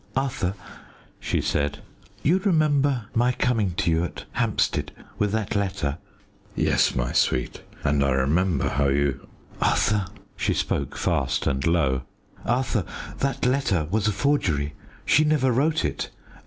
"Arthur," she said, "you remember my coming to you at Hampstead with that letter?" "Yes, my sweet, and I remember how you " "Arthur!" she spoke fast and low "Arthur, that letter was a forgery. She never wrote it.